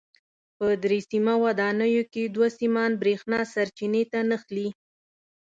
په درې سیمه ودانیو کې دوه سیمان برېښنا سرچینې ته نښلي.